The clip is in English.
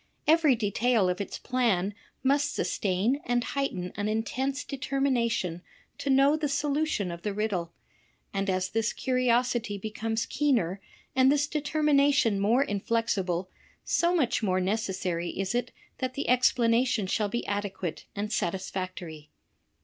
Every detail of its plan must sustain and heighten an intense determination to know the solution of the riddle; and as this curiosity becomes keener, and this determination more inflexible, so much more neces sary is it that the explanation shall be adequate and satis factory.